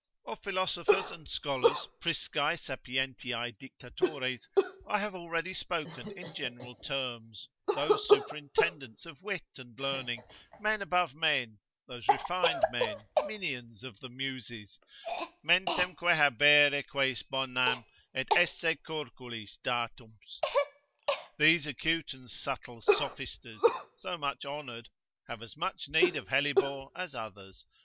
Of philosophers and scholars priscae sapientiae dictatores, I have already spoken in general terms, those superintendents of wit and learning, men above men, those refined men, minions of the muses, ———mentemque habere queis bonam Et esse corculis datum est.——— These acute and subtle sophisters, so much honoured, have as much need of hellebore as others.